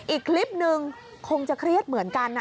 อีกคลิปนึงคงจะเครียดเหมือนกัน